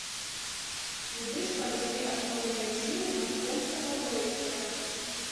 Туды ж падышлі асноўныя сілы маскоўскага войска.